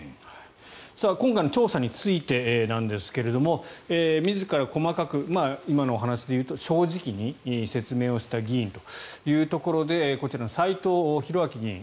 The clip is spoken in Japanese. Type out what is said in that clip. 今回の調査について自ら細かく今のお話で言うと正直に説明した議員というところでこちら、斎藤洋明議員。